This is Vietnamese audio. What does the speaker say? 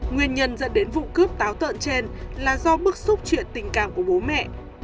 nguyên nhân dẫn đến vụ cướp táo tợn trên là do bức xúc chuyện tình cảm của bố mẹ